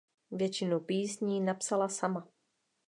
Většinu písní napsala sama.